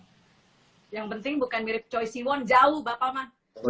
yang penting bukan mirip choi si won jauh bapak man